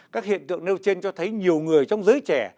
các hiện tượng nêu trên cho thấy nhiều người trong giới trẻ